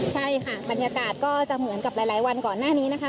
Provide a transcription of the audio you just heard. ใช่ค่ะบรรยากาศก็จะเหมือนกับหลายวันก่อนหน้านี้นะคะ